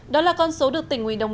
đó là con số được tỉnh nguyên đồng